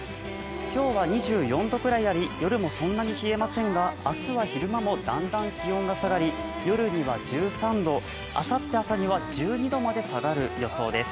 今日は２４度くらいあり、夜もそんなに冷えませんが明日は昼間もだんだん気温が下がり夜には１３度、あさって朝には１２度まで下がる予想です。